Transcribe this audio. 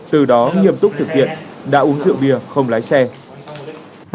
từ đó nghiêm túc thực hiện đã uống rượu bia không lái xe